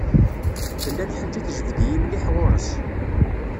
Tella lḥaǧa tejbed-iyi mliḥ ɣur-s.